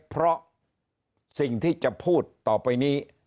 เพราะสิ่งที่จะพูดต่อไปนี้